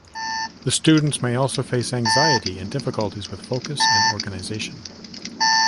The students may also face anxiety and difficulties with focus and organization.